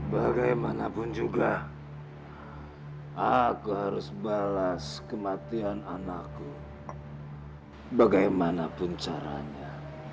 bagaimanapun juga aku harus balas kematian anakku bagaimanapun caranya